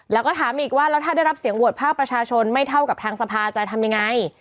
แล้วก็ถามอีกว่าแล้วถ้าได้รับเสียงโหวตภาคประชาชนไม่เท่ากับทางสภาจะทำยังไง